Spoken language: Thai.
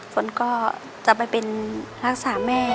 ฝนก็จะไปเป็นรักษาแม่